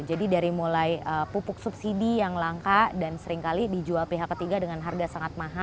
jadi dari mulai pupuk subsidi yang langka dan seringkali dijual pihak ketiga dengan harga sangat mahal